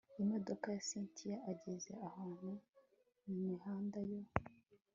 imodoka ya cyntia ageze ahantu mumihanda yo